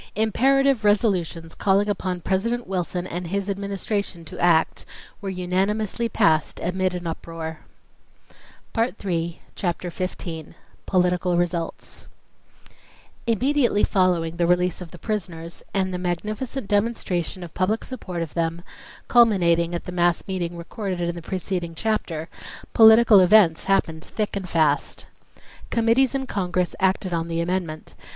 Imperative resolutions calling upon President Wilson and his Administration to act, were unanimously passed amid an uproar. Chapter 15 Political Results Immediately following the release of the prisoners and the magnificent demonstration of public support of them, culminating at the mass meeting recorded in the preceding chapter, political events happened thick and fast. Committees in Congress acted on the amendment.